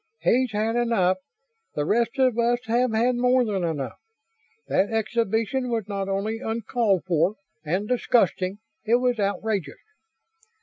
"He's had enough. The rest of us have had more than enough. That exhibition was not only uncalled for and disgusting it was outrageous!"